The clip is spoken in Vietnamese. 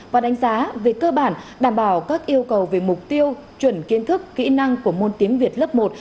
và đánh giá về cơ bản đảm bảo các yêu cầu về mục tiêu chuẩn kiến thức kỹ năng của môn tiếng việt lớp một